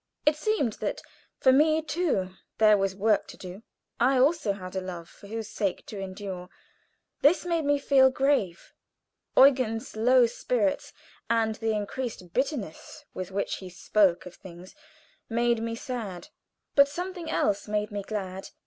It seemed that for me, too, there was work to do. I also had a love for whose sake to endure. This made me feel grave. Eugen's low spirits, and the increased bitterness with which he spoke of things, made me sad; but something else made me glad.